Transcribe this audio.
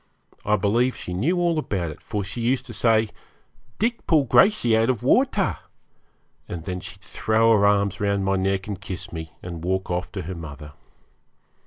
I believe she knew all about it, for she used to say, 'Dick pull Gracey out of water;' and then she'd throw her arms round my neck and kiss me, and walk off to her mother.